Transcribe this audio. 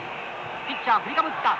ピッチャー振りかぶった。